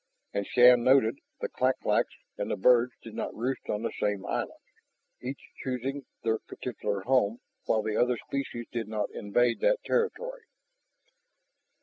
And, Shann noted, the clak claks and the birds did not roost on the same islands, each choosing their own particular home while the other species did not invade that territory.